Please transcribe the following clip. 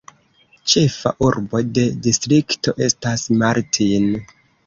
Ĉefa urbo de distrikto estas Martin.